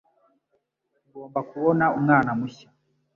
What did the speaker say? Tugomba kubona umwana mushya.